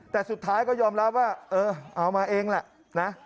แต่สุดท้ายก็ยอมรับว่าเออเอามาเองแหละนะ